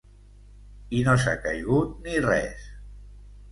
I no s'ha caigut ni res.